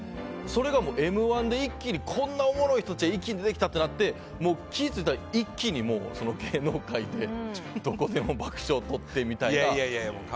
それが「Ｍ‐１」で一気にこんなおもろい人たちが一気にできたってなって気が付いたら、一気に芸能界でどこでも爆笑をとってみたいな。